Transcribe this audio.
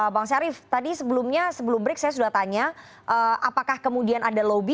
bang syarif tadi sebelumnya sebelum break saya sudah tanya apakah kemudian ada lobby